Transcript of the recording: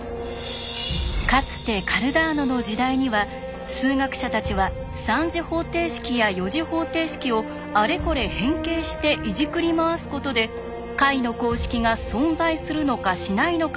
かつてカルダーノの時代には数学者たちは３次方程式や４次方程式をあれこれ変形していじくり回すことで解の公式が存在するのかしないのかを調べていました。